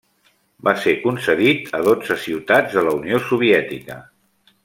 Va ser concedit a dotze ciutats de la Unió Soviètica.